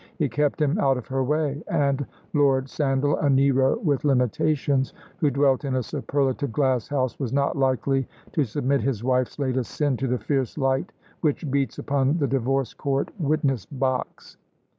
It kept him out of her way, and Lord Sandal, a Nero with limitations, who dwelt in a superlative glass house, was not likely to submit his wife's latest sin to the fierce light which beats upon the divorce court witness box.